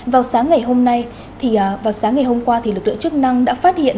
vào sáng ngày hôm nay lực lượng chức năng đã phát hiện